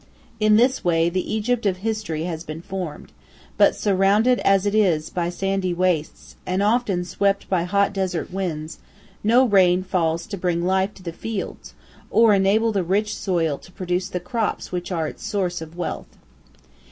In this way the Egypt of history has been formed, but, surrounded as it is by sandy wastes, and often swept by hot desert winds, no rain falls to bring life to the fields, or enable the rich soil to produce the crops which are its source of wealth.